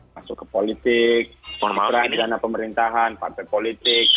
masuk ke politik dana pemerintahan partai politik